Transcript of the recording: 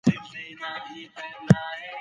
د خوړو مسمومیت د بدن دفاعي ځواک ته صدمه رسوي.